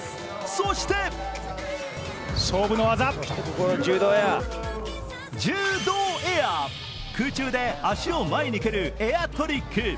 そしてジュードーエア、空中で足を前に蹴るエアトリック。